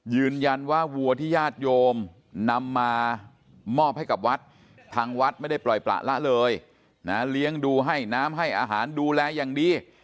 ยืนยันว่าวัวที่ญาติโยมนำมามอบให้กับวัดทางวัดไม่ได้ปล่อยประละเลยนะเลี้ยงดูให้น้ำให้อาหารดูแลอย่างดี